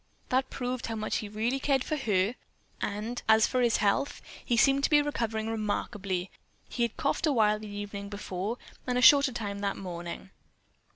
That proved how much he really cared for her and, as for his health, he seemed to be recovering remarkably. He had coughed a while the evening before, and for a shorter time that morning.